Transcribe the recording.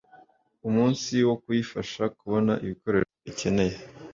umunsi wo kuyifasha kubona ibikoresho ikeneye